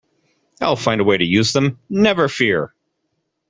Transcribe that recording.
I'll find a way to use them, never fear!